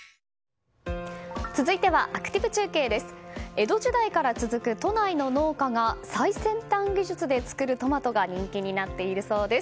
江戸時代から続く都内の農家が最先端技術で作るトマトが人気になっているそうです。